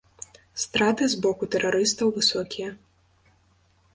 Страты з боку тэрарыстаў высокія.